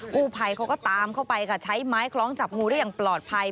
กู้ภัยเขาก็ตามเข้าไปค่ะใช้ไม้คล้องจับงูได้อย่างปลอดภัย